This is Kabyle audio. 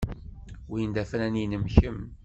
Win d afran-nnem kemm.